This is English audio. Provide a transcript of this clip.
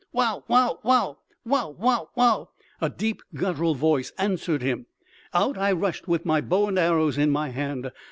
"Wow, wow, wow! Wow, wow, wow!" A deep guttural voice answered him. Out I rushed with my bow and arrows in my hand.